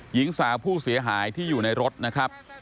หญิงสาวผู้เสียหายที่อยู่ในรถนะครับ